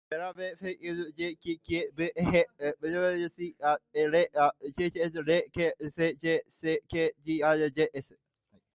ふぇ ｒｖｆｒｖｊ きえ ｖ へ ｒｊｃｂ れ ｌｈｃ れ ｖ け ｒｊ せ ｒｋｖ じぇ ｓ